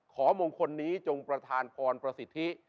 มงคลนี้จงประธานพรประสิทธิ